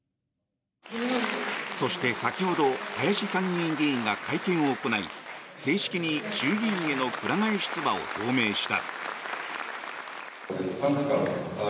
そして、先ほど林参議院議員が会見を行い正式に衆議院へのくら替え出馬を表明した。